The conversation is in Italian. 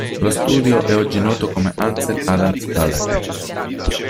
Lo studio è oggi noto come Ansel Adams Gallery.